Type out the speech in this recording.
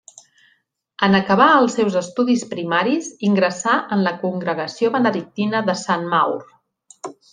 En acabar els seus estudis primaris ingressà en la congregació benedictina de Sant Maur.